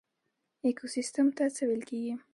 ایکوسیستم څه ته ویل کیږي